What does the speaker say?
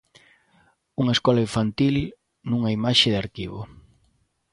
Unha escola infantil nunha imaxe de arquivo.